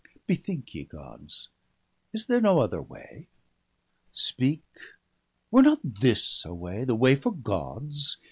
Bethink ye, Gods, is there no other way ?— Speak, were not this a way, the way for Gods?